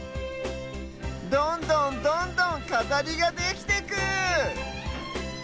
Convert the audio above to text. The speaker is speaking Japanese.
どんどんどんどんかざりができてく！